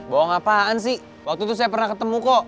bohong apaan sih waktu itu saya pernah ketemu kok